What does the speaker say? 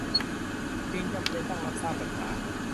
จึงจำเป็นต้องรับทราบปัญหา